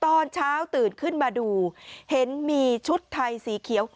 ตอนเช้าตื่นขึ้นมาดูเห็นมีชุดไทยสีเขียว